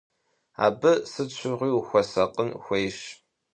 Абы сыт щыгъуи хуэсакъын хуейщ.